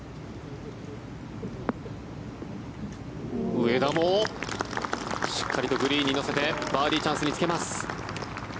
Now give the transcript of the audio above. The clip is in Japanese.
上田もしっかりとグリーンに乗せてバーディーチャンスにつけます。